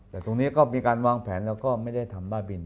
แต่ตรงนี้ก็มีการวางแผนแล้วก็ไม่ได้ทำบ้าบิน